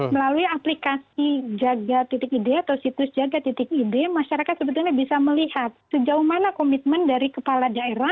melalui aplikasi jaga id atau situs jaga titik ide masyarakat sebetulnya bisa melihat sejauh mana komitmen dari kepala daerah